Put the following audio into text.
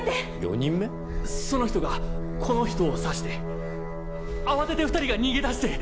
その人がこの人を刺して慌てて２人が逃げ出して。